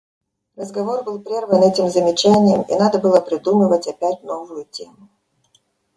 Разговор был прерван этим замечанием, и надо было придумывать опять новую тему.